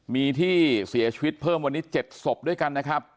มีที่เสียชีวิตเพิ่มวันนี้๗ศพด้วยกันนะครับ